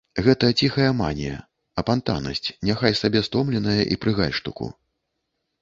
Гэта ціхая манія, апантанасць, няхай сабе стомленая і пры гальштуку.